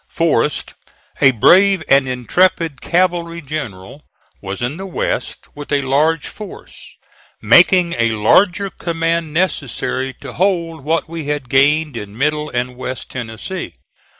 Forrest, a brave and intrepid cavalry general, was in the West with a large force; making a larger command necessary to hold what we had gained in Middle and West Tennessee.